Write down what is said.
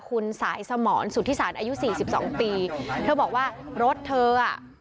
คุณสายสมรสุทธิศาลอายุ๔๒ตีเธอบอกว่ารถเธออ่ะ